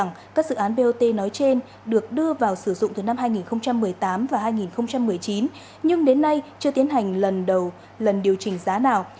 rằng các dự án bot nói trên được đưa vào sử dụng từ năm hai nghìn một mươi tám và hai nghìn một mươi chín nhưng đến nay chưa tiến hành lần đầu lần điều chỉnh giá nào